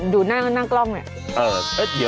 ดูหน้ากล้องเนี่ย